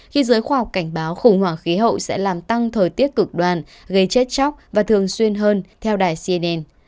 khi giới khoa học cảnh báo khủng hoảng khí hậu sẽ làm tăng thời tiết cực đoan gây chết chóc và thường xuyên hơn theo đài cnn